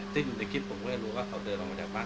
ติ้นในกริกผมก็ไม่รู้ว่าเขาเดินลงมาจากบ้าน